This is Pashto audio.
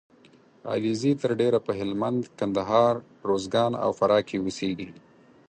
علیزي تر ډېره په هلمند ، کندهار . روزګان او فراه کې اوسېږي